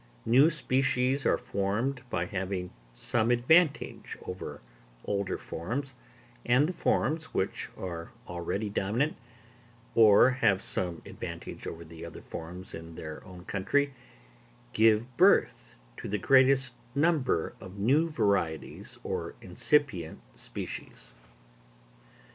New species are formed by having some advantage over older forms; and the forms, which are already dominant, or have some advantage over the other forms in their own country, give birth to the greatest number of new varieties or incipient species.